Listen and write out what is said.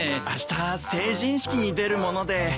あした成人式に出るもので。